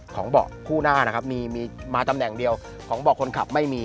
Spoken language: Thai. เบาะคู่หน้านะครับมีมาตำแหน่งเดียวของเบาะคนขับไม่มี